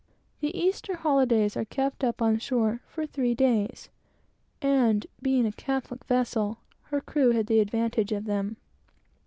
The Easter holydays are kept up on shore during three days; and being a Catholic vessel, the crew had the advantage of them.